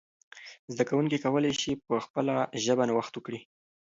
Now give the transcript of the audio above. زده کوونکي کولای سي په خپله ژبه نوښت وکړي.